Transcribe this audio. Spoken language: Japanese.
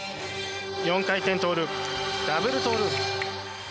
４回転トーループ、ダブルトーループ。